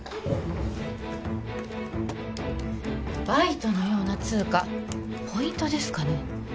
バイトのような通貨ポイントですかね